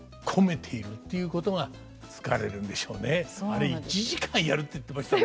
あれ１時間やるって言ってましたね。